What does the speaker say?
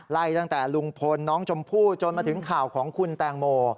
ไล่ตั้งแต่ลุงพลน้องชมพู่จนมาถึงข่าวของคุณแตงโม